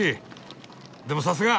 でもさすが！